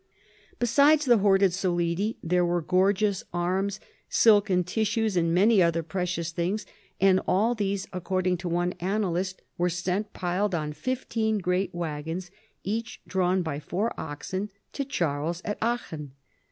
Besides the boarded soUdi there were gor* geoiis arms, silken tissues, and many other precious things ; and all these, according to one annalist, were sent piled on fifteen great wagons, each drawn by four oxen, to Charles at Aachen.